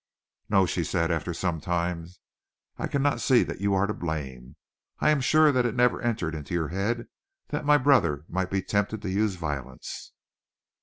"No!" she said, after some time, "I cannot see that you are to blame. I am sure that it never entered into your head that my brother might be tempted to use violence."